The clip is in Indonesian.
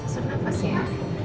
sesak nafas ya